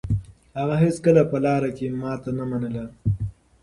هغه هيڅکله په لاره کې ماتې نه منله.